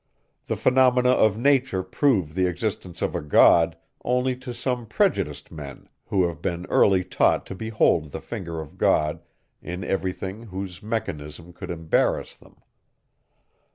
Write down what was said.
The phenomena of nature prove the existence of a God only to some prejudiced men, who have been early taught to behold the finger of God in every thing whose mechanism could embarrass them.